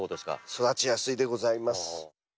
育ちやすいでございます。